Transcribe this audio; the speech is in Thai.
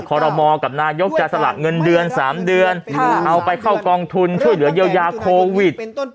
ขอรมอลกับนายกจะสละเงินเดือน๓เดือนเอาไปเข้ากองทุนช่วยเหลือเยียวยาโควิด